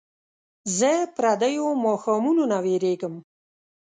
زه پردیو ماښامونو نه ویرېږم